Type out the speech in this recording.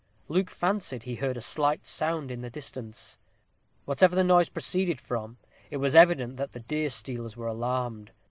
Luke fancied he heard a slight sound in the distance; whatever the noise proceeded from, it was evident the deer stealers were alarmed.